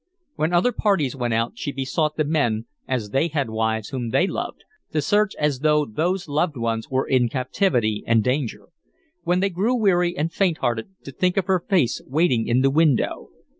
When other parties went out, she besought the men, as they had wives whom they loved, to search as though those loved ones were in captivity and danger; when they grew weary and fainthearted, to think of her face waiting in the window....